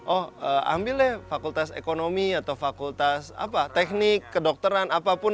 oh ambil deh fakultas ekonomi atau fakultas teknik kedokteran apapun